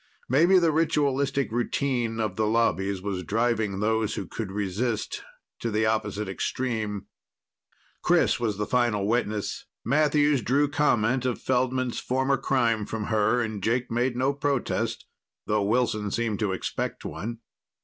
Maybe the ritualistic routine of the Lobbies was driving those who could resist to the opposite extreme. Chris was the final witness. Matthews drew comment of Feldman's former crime from her, and Jake made no protest, though Wilson seemed to expect one.